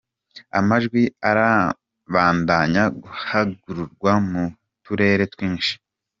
Amajwi arabandanya guharurwa mu turere twinshi.